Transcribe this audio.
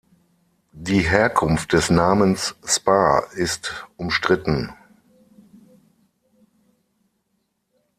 Die Herkunft des Namens Spa ist umstritten.